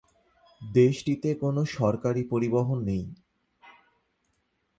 দেশটিতে কোন সরকারি পরিবহন নেই।